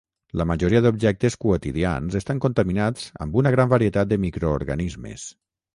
La majoria d'objectes quotidians estan contaminats amb una gran varietat de microorganismes.